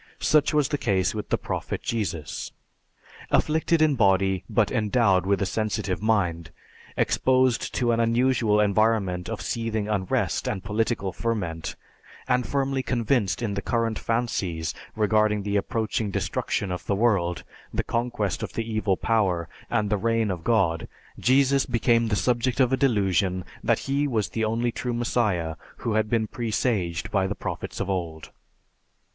Such was the case with the Prophet Jesus. Afflicted in body but endowed with a sensitive mind, exposed to an unusual environment of seething unrest and political ferment, and firmly convinced in the current fancies regarding the approaching destruction of the world, the conquest of the Evil Power, and the Reign of God, Jesus became the subject of a delusion that he was the only true Messiah who had been presaged by the prophets of old.